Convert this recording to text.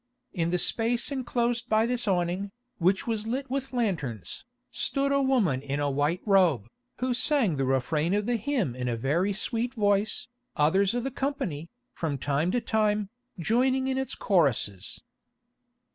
In the space enclosed by this awning, which was lit with lanterns, stood a woman in a white robe, who sang the refrain of the hymn in a very sweet voice, others of the company, from time to time, joining in its choruses.